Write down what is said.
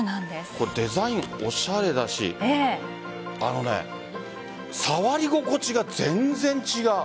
デザイン、おしゃれだし触り心地が全然違う。